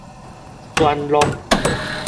轉錄